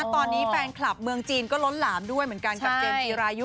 ตอนนี้แฟนคลับเมืองจีนก็ล้นหลามด้วยเหมือนกันกับเจมส์จีรายุ